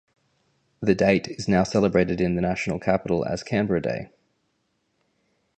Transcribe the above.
The date is now celebrated in the national capital as "Canberra Day".